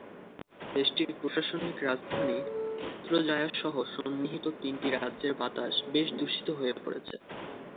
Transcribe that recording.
দেশটির প্রশাসনিক রাজধানী পুত্রজায়াসহ সন্নিহিত তিনটি রাজ্যের বাতাস বেশ দূষিত হয়ে পড়েছে।